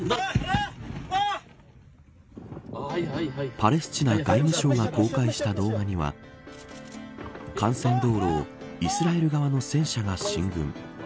パレスチナ外務省が公開した動画には幹線道路をイスラエル側の戦車が進軍。